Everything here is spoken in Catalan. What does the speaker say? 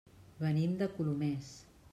Venim de Colomers.